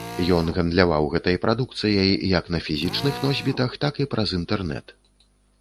Ён гандляваў гэтай прадукцыяй як на фізічных носьбітах, так і праз інтэрнэт.